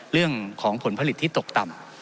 เรื่องของผลผลิตที่ตกต่ำ